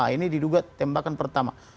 ini diduga tembakan pertama